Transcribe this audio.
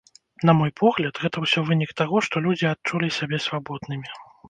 На мой погляд, гэта ўсё вынік таго, што людзі адчулі сябе свабоднымі.